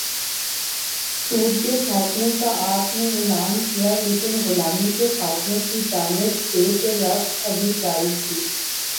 سود کے خاتمے کا آپ نے اعلان کیا لیکن غلامی کے خاتمے کی جانب پیش رفت ابھی جاری تھی۔